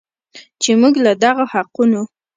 چې موږ له دغو حقونو